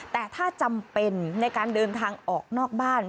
แต่ถ้าจำเป็นในการเดินทางออกนอกบ้าน